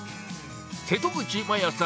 瀬戸口まやさん